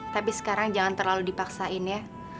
tapi sekarang jangan terlalu dipaksain ya